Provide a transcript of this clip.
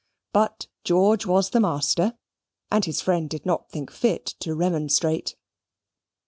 But George was the master, and his friend did not think fit to remonstrate.